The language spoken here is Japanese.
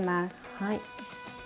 はい。